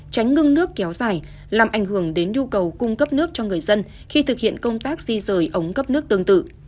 tránh ngưng nước kéo dài làm ảnh hưởng đến nhu cầu cung cấp nước cho người dân khi thực hiện công tác di rời ống cấp nước tương tự